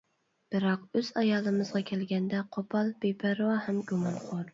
بىراق، ئۆز ئايالىمىزغا كەلگەندە قوپال، بىپەرۋا ھەم گۇمانخور.